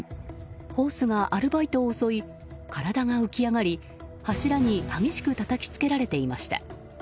ホースがアルバイトを襲い体が浮き上がり柱に激しくたたき付けられていました。